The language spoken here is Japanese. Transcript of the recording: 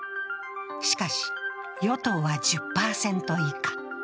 しかし、与党は１０％以下。